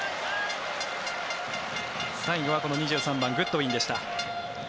最後は２３番グッドウィンでした。